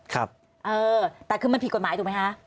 ครับเออแต่คือมันผิดกฎหมายถูกไหมคะ